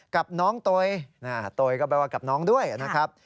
กับน้องโตยโตยก็แปลว่ากับน้องด้วยนะครับ